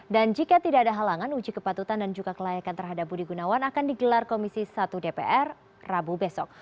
dan jika tidak ada halangan uji kepatutan dan juga kelayakan terhadap budi gunawan akan digelar komisi satu dpr rabu besok